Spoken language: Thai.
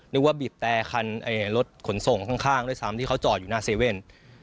ว่าบีบแต่คันรถขนส่งข้างด้วยซ้ำที่เขาจอดอยู่หน้าเซเว่น